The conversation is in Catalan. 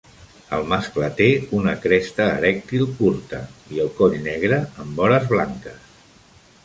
El mascle té una cresta erèctil curta i el coll negre amb vores blanques.